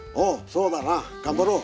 そうだな頑張ろう。